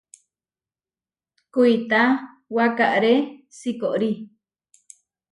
Kuitá waʼkáre sikorí.